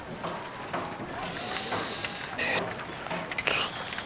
えっと。